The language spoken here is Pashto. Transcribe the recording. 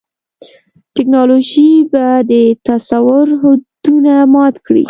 ټیکنالوژي به د تصور حدونه مات کړي.